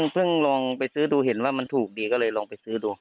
ลองไปซื้อดูเห็นว่ามันถูกดีก็เลยลองไปซื้อดู